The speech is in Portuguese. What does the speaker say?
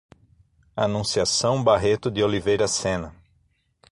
Anunciação Barreto de Oliveira Sena